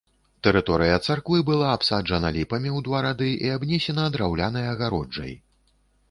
Тэрыторыя царквы была абсаджана ліпамі ў два рады і абнесена драўлянай агароджай.